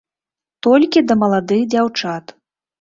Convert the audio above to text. Толькі да маладых дзяўчат.